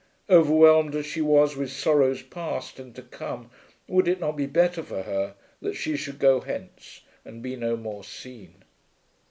Overwhelmed as she was with sorrows past and to come would it not be better for her that she should go hence and be no more seen?